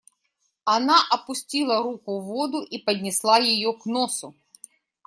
Она опустила руку в воду и поднесла ее к носу.